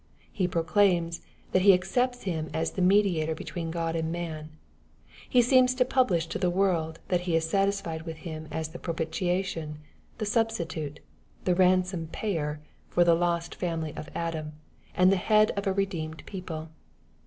He proclaims, that He accepts Him as the Mediator between God and man. He seems to publish to the world, that He is satisfied with Him as the propitiation, the substitute, the ransom* payer for the lost family of Adam, and the Head of a redeemed people.